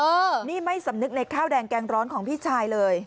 ไม่สำนึกในข้าวแดงแกงร้อนของพี่ชายเลย